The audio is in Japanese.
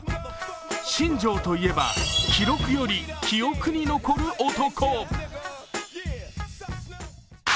新庄といえば、記録より記憶に残る男。